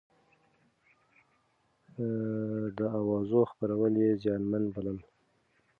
د اوازو خپرول يې زيانمن بلل.